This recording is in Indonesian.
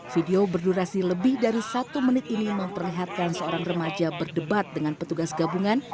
video berdurasi lebih dari satu menit ini memperlihatkan seorang remaja berdebat dengan petugas gabungan